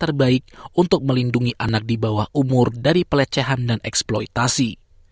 terbaik untuk melindungi anak di bawah umur dari pelecehan dan eksploitasi